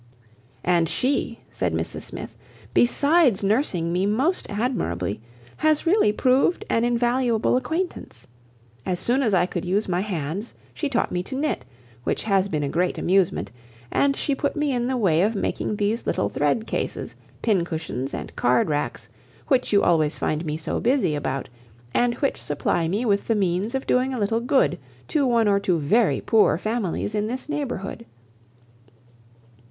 "And she," said Mrs Smith, "besides nursing me most admirably, has really proved an invaluable acquaintance. As soon as I could use my hands she taught me to knit, which has been a great amusement; and she put me in the way of making these little thread cases, pin cushions and card racks, which you always find me so busy about, and which supply me with the means of doing a little good to one or two very poor families in this neighbourhood.